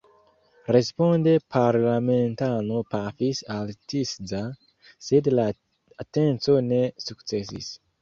Responde parlamentano pafis al Tisza, sed la atenco ne sukcesis.